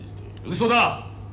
うそだ！